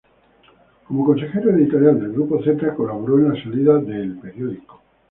Como consejero editorial del Grupo Zeta, colaboró en la salida de "El Periódico".